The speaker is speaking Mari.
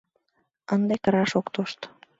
— Ынде кыраш ок тошт...